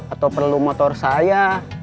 atau perlu motor saya